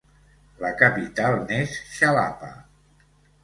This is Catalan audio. La capital n'és Xalapa.